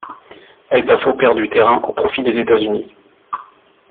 El Paso perd du terrain au profit des États-Unis.